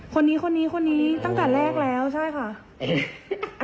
คนนี้คนนี้คนนี้ตั้งแต่แรกแล้วใช่ค่ะ